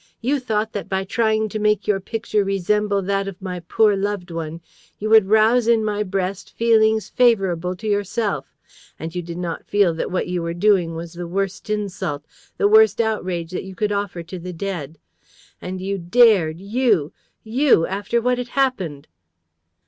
You thought that, by trying to make your picture resemble that of my poor loved one, you would rouse in my breast feelings favorable to yourself! And you did not feel that what you were doing was the worst insult, the worst outrage that you could offer to the dead! And you dared, you, you, after what had happened